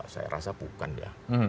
saya rasa bukan ya